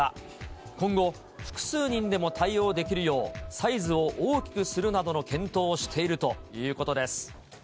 今後、複数人にも対応できるよう、サイズを大きくするなどの検討をしているということです。